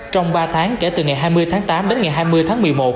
trong ba tháng kể từ ngày hai mươi tháng tám đến ngày hai mươi tháng một mươi một